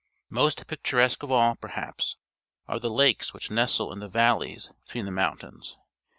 Most picturesque of all, perhaps, are the lakes which nestle in the valleys between the mountains.